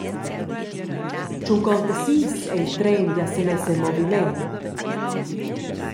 Tschuncontasis ei il tren gia semess en moviment.